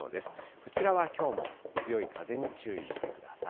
こちらはきょうも強い風に注意してください。